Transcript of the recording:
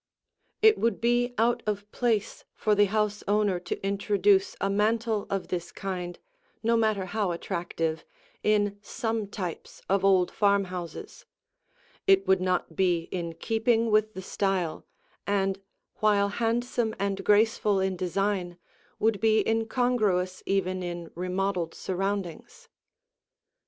It would be out of place for the house owner to introduce a mantel of this kind, no matter how attractive, in some types of old farmhouses. It would not be in keeping with the style and, while handsome and graceful in design, would be incongruous even in remodeled surroundings.